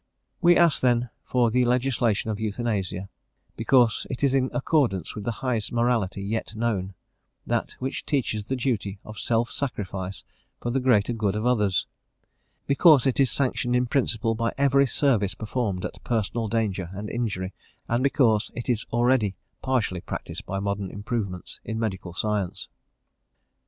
We ask, then, for the legalisation of euthanasia, because it is in accordance with the highest morality yet known, that which teaches the duty of self sacrifice for the greater good of others, because it is sanctioned in principle by every service performed at personal danger and injury, and because it is already partially practised by modern improvements in medical science.